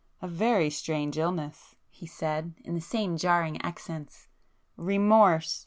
"A very strange illness!" he said, in the same jarring accents. "Remorse!